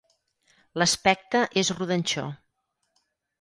L'aspecte és rodanxó.